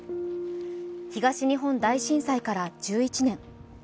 東日本大震災から１１年。